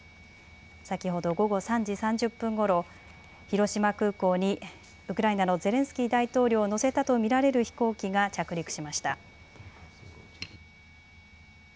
先ほど午後３時３０分ごろ、広島空港にウクライナのゼレンスキー大統領を乗せたと見られる飛行機が着陸しました。